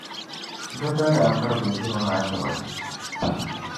Bɛ ba daa pirigi duri maa ti ba.